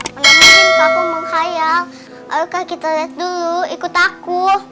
mereka mungkin kaku menghayal ayo kak kita liat dulu ikut aku